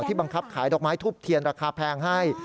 บังคับขายดอกไม้ทูบเทียนราคาแพงให้